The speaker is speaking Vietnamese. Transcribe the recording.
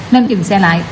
nên dừng xe lại